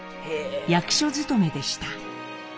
役所勤めでした。